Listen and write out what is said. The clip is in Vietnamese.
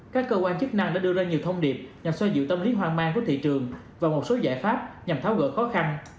các cơ quan chức năng đã đưa ra nhiều thông điệp nhằm xoa dịu tâm lý hoang mang của thị trường và một số giải pháp nhằm tháo gỡ khó khăn